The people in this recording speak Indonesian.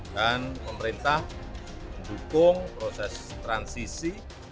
dan pemerintah mendukung proses transisi